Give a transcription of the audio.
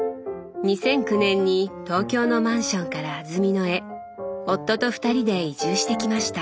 ２００９年に東京のマンションから安曇野へ夫と二人で移住してきました。